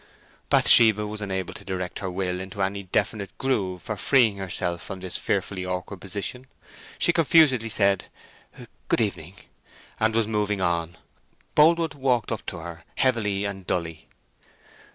Bathsheba was unable to direct her will into any definite groove for freeing herself from this fearfully awkward position. She confusedly said, "Good evening," and was moving on. Boldwood walked up to her heavily and dully.